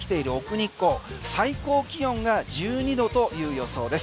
日光最高気温が１２度という予想です。